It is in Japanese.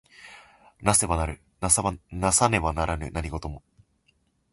為せば成る為さねば成らぬ何事も。